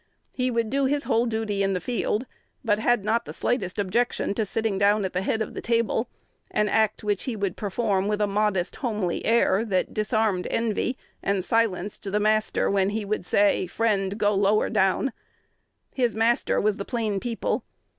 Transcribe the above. He would do his whole duty in the field, but had not the slightest objection to sitting down at the head of the table, an act which he would perform with a modest, homely air, that disarmed envy, and silenced the master when he would say, "Friend, go down lower." His "master" was the "plain people."